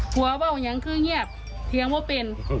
หัวบ้าวอย่างคือเงียบเถียงว่าเป็น